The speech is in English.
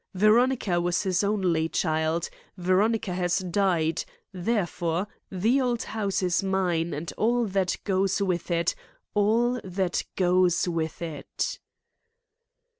Veronica was his only child; Veronica has died; therefore the old house is mine and all that goes with it, all that goes with it."